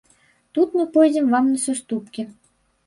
Тут мы пойдзем вам на саступкі.